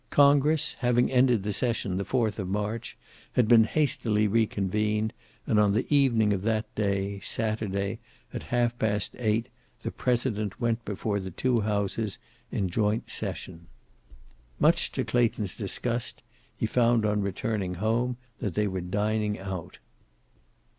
Congress, having ended the session the fourth of March, had been hastily reconvened, and on the evening of that day, Saturday, at half past eight, the President went before the two Houses in joint session. Much to Clayton's disgust, he found on returning home that they were dining out.